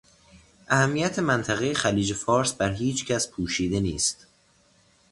اهمیت منطقهٔ خلیج فارس بر هیچ کس پوشیده نیست.